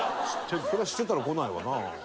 そりゃ知ってたらこないわな。